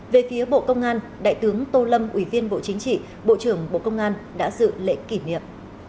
về phía bộ công an đại tướng tô lâm ủy viên bộ chính trị bộ trưởng bộ công an đã dự lễ kỷ niệm